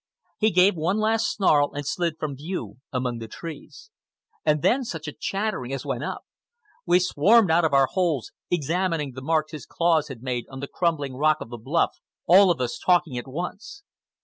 He gave one last snarl and slid from view among the trees. And then such a chattering as went up. We swarmed out of our holes, examining the marks his claws had made on the crumbling rock of the bluff, all of us talking at once.